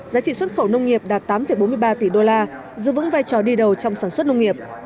giá trị xuất khẩu nông nghiệp đạt tám bốn mươi ba tỷ đô la giữ vững vai trò đi đầu trong sản xuất nông nghiệp